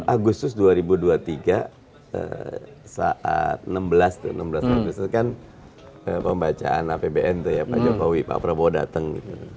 agustus dua ribu dua puluh tiga saat enam belas agustus kan pembacaan apbn pak jokowi pak prabowo datang